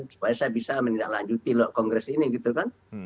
supaya saya bisa menindaklanjuti loh kongres ini gitu kan